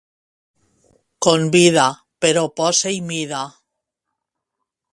Convida, però posa-hi mida.